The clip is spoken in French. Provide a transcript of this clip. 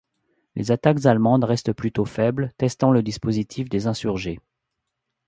Les attaques allemandes restent plutôt faibles, testant le dispositif des insurgés.